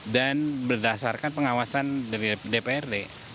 dan berdasarkan pengawasan dari dprd